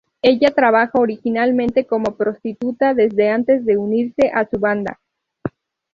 Ella trabaja originalmente como prostituta desde antes de unirse a su banda.